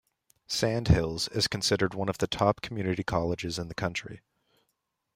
Sandhills is considered one of the top community colleges in the country.